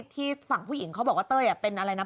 ที่ฝั่งผู้หญิงเขาบอกว่าเต้ยเป็นอะไรนะ